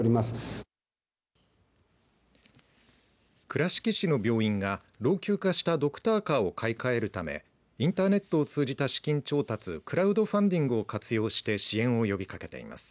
倉敷市の病院が老朽化したドクターカーを買い替えるためインターネットを通じた資金調達クラウドファンディングを活用して支援を呼びかけています。